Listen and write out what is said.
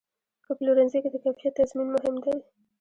په پلورنځي کې د کیفیت تضمین مهم دی.